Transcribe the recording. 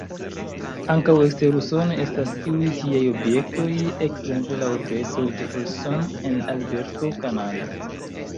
Ankaŭ ekster Usono estas iuj tiaj objektoj, ekzemple la urbeto "Jefferson" en Alberto, Kanado.